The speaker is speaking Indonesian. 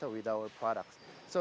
dengan produk kami